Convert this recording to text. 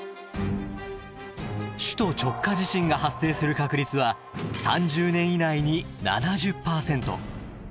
首都直下地震が発生する確率は３０年以内に７０％。